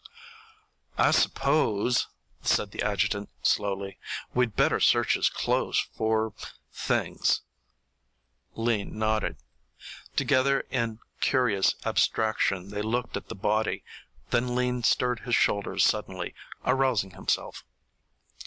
"I suppose," said the adjutant, slowly, "we'd better search his clothes for things." Lean nodded. Together in curious abstraction they looked at the body. Then Lean stirred his shoulders suddenly, arousing himself.